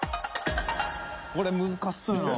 これ難しそうやな。